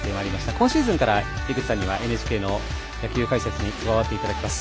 今シーズンから井口さんにはＮＨＫの野球解説に加わってもらいます。